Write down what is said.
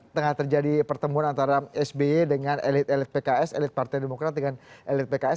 tengah terjadi pertemuan antara sby dengan elit elit pks elit partai demokrat dengan elit pks